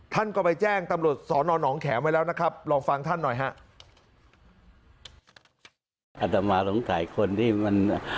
ท่านก็ไปแจ้งตำรวจสอนอนหนองแขมไว้แล้วนะครับลองฟังท่านหน่อยฮะ